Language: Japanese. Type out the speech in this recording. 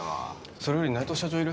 それより内藤社長いる？